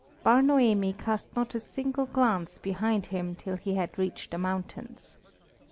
Bar Noemi cast not a single glance behind him till he had reached the mountains.